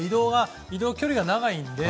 移動距離が長いので。